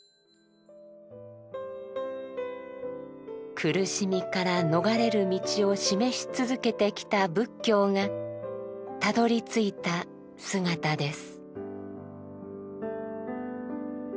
苦しみから逃れる道を示し続けてきた仏教がたどりついた姿です。